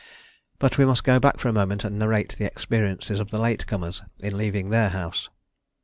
But we must go back for a moment and narrate the experiences of the late comers in leaving their house.